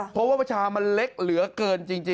เพราะว่าประชามันเล็กเหลือเกินจริง